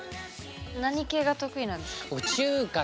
何系が得意なんですか？